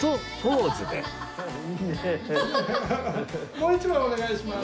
もう一枚お願いします。